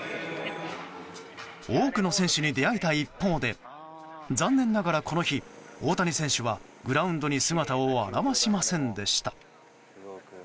多くの選手に出会えた一方で残念ながらこの日大谷選手は、グラウンドに姿を現しませんでした。